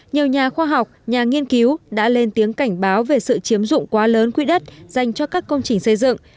nhiều nhà khoa học nhà nghiên cứu đã lên tiếng cảnh báo về sự chiếm dụng quá lớn quỹ đất dành cho các công trình xây dựng